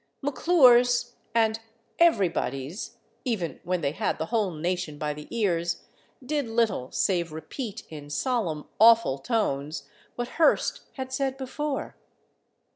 McClure's and Everybody's, even when they had the whole nation by the ears, did little save repeat in solemn, awful tones what Hearst had said before.